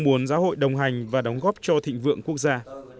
muốn giáo hội đồng hành và đóng góp cho thịnh vượng quốc gia